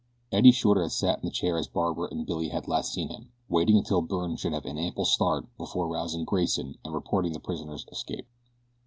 Eddie Shorter had sat in the chair as Barbara and Billy had last seen him waiting until Byrne should have an ample start before arousing Grayson and reporting the prisoner's escape.